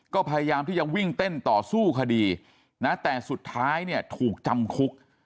ก็พยายามที่จะวิ่งเต้นต่อสู้คดีนะแต่สุดท้ายเนี่ยถูกจำคุก